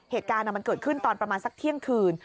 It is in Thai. เหตุการณ์มันเกิดขึ้นตอนประมาณสักเที่ยงคืน